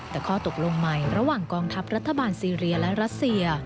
แต่ข้อตกลงใหม่ระหว่างกองทัพรัฐบาลซีเรียและรัสเซีย